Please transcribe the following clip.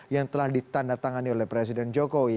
yang telah ditandatangani oleh presiden jokowi